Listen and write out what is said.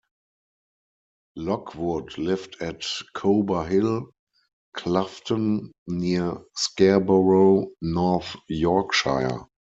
Lockwood lived at Cober Hill, Cloughton, near Scarborough, North Yorkshire.